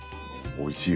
おいしい。